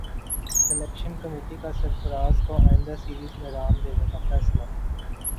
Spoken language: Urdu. سلیکشن کمیٹی کا سرفراز کو ئندہ سیریز میں رام دینے کا فیصلہ